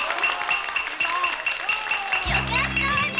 よかったわね